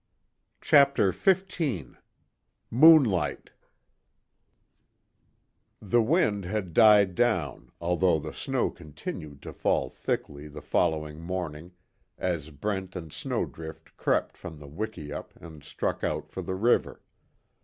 CHAPTER XV MOONLIGHT The wind had died down, although the snow continued to fall thickly the following morning, as Brent and Snowdrift crept from the wikiup and struck out for the river.